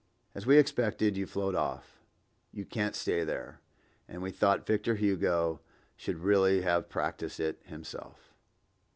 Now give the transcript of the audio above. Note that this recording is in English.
As we expected, you float off: you can't stay there! and we thought Victor Hugo should really have practiced it himself.